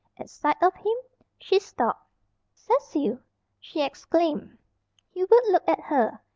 At sight of him she stopped. "Cecil!" she exclaimed. Hubert looked at her.